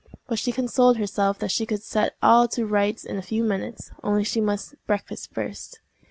But she consoled herself that she could set all to rights in a few minutes—only she must breakfast first.